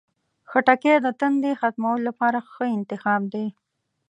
خټکی د تندې ختمولو لپاره ښه انتخاب دی.